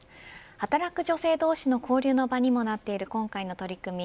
働く女性同士の交流の場にもなっている今回の取り組み